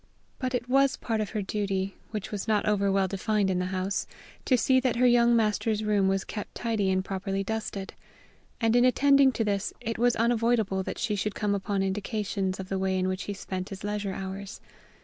But it was part of her duty, which was not over well defined in the house, to see that her young master's room was kept tidy and properly dusted; and in attending to this it was unavoidable that she should come upon indications of the way in which he spent his leisure hours.